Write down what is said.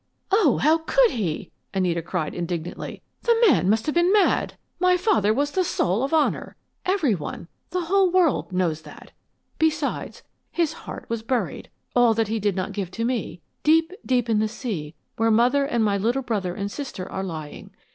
"Oh, how could he!" Anita cried, indignantly. "The man must have been mad! My father was the soul of honor. Every one the whole world knows that! Besides, his heart was buried, all that he did not give to me, deep, deep in the sea where Mother and my little brother and sister are lying!